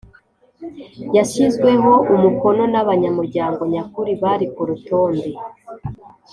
Yshyizweho umukono n’abanyamuryango nyakuri bari ku rutonde